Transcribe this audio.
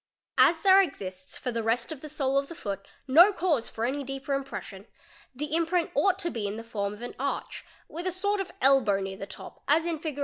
As there exists for the rest of the sole of the foot Tio cause for any deeper impression the imprint ought to be in the form of an arch with a sort of elbow near the top as in Fig.